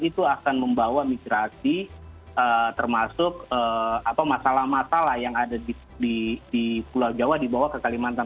itu akan membawa migrasi termasuk masalah masalah yang ada di pulau jawa dibawa ke kalimantan